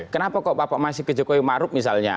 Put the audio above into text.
kenapa kok pak masih ke jokowi marup misalnya